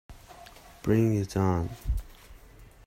Bring It On!.